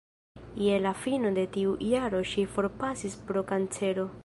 Je la fino de tiu jaro ŝi forpasis pro kancero.